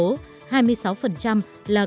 hai mươi sáu là công việc mới do chuyển đổi số mang lại